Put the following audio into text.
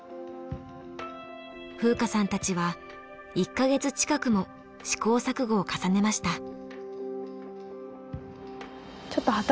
風花さんたちは１か月近くも試行錯誤を重ねました。